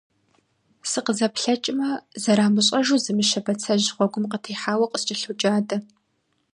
СыкъызэплъэкӀмэ, зэрамыщӀэжу зы мыщэ бацэжь гъуэгум къытехьауэ къыскӀэлъоджадэ.